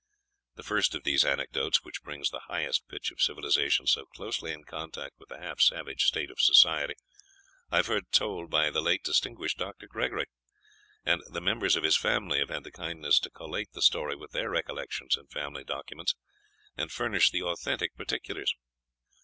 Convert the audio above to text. The first of these anecdotes, which brings the highest pitch of civilisation so closely in contact with the half savage state of society, I have heard told by the late distinguished Dr. Gregory; and the members of his family have had the kindness to collate the story with their recollections and family documents, and furnish the authentic particulars.